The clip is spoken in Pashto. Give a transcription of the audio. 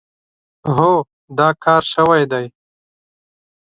هو، دا کار شوی دی.